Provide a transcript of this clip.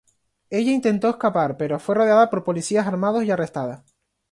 Ella intentó escapar pero fue rodeada por policías armados y arrestada.